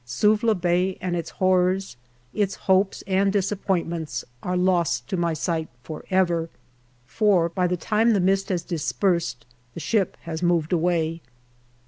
Suvla Bay and its horrors, its hopes, and disappoint ments are lost to my sight for ever for by the time the mist has dispersed the ship has moved away.